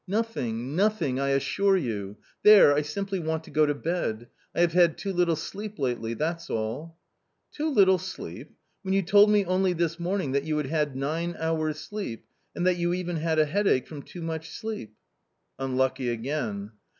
" Nothing, nothing, I assure you ; there, I simply want to go to bed ; I have had too little sleep lately : that's all" "Too little sleep! when you told me only this morning that you had had nine hours' sleep, and that you even had a headache from too much sleep ?" Unlucky again.